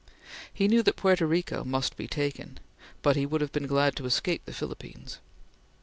He knew that Porto Rico must be taken, but he would have been glad to escape the Philippines.